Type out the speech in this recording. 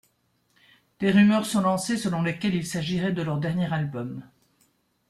Des rumeurs sont lancées selon lesquelles il s'agirait de leur dernier album.